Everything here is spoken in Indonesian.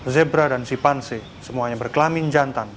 zebra dan sipanse semuanya berkelamin jantan